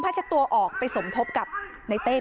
มีชายแปลกหน้า๓คนผ่านมาทำทีเป็นช่วยค่างทาง